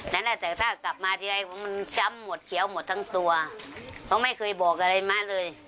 นั่นแหละแต่ถ้ากลับมาทีไรของมันช้ำหมดเขียวหมดทั้งตัวเขาไม่เคยบอกอะไรมาเลย